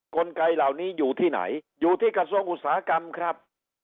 กลไกเหล่านี้อยู่ที่ไหนอยู่ที่กระทรวงอุตสาหกรรมครับ